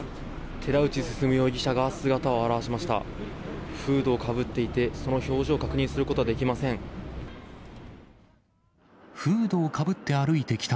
寺内進容疑者が、姿を現しました。